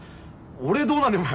俺どうなんねんお前。